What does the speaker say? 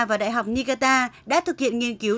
và đại học niigata đã thực hiện nghiên cứu